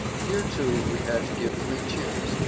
Here, too, we had to give three cheers.